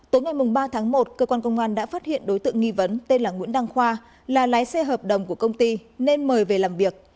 tối ngày ba tháng một cơ quan công an đã phát hiện đối tượng nghi vấn tên là nguyễn đăng khoa là lái xe hợp đồng của công ty nên mời về làm việc